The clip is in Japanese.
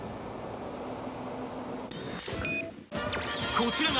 ［こちらが］